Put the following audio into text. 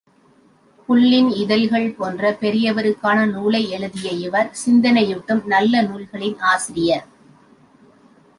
புல்லின் இதழ்கள் போன்ற பெரியவருக்கான நூலை எழுதிய இவர் சிந்தனையூட்டும் நல்ல நூல்களின் ஆசிரியர்.